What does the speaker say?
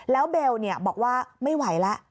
แล้วเบลบอกว่าไม่ไหวแล้ว